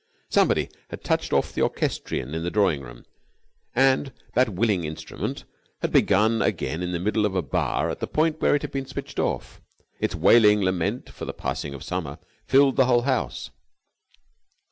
Somebody had touched off the orchestrion in the drawing room, and that willing instrument had begun again in the middle of a bar at the point where it had been switched off. Its wailing lament for the passing of Summer filled the whole house.